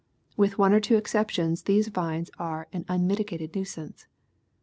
With one or two excep tions these vines are an unmitigated nuisance.